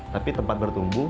tapi tempat bertumbuh